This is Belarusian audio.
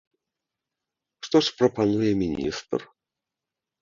Што ж прапануе міністр?